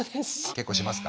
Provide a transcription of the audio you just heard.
結構しますか？